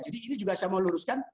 jadi ini juga saya mau luruskan